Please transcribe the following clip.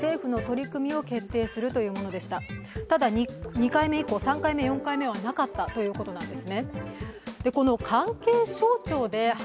２回目以降、３回目、４回目はなかったということです。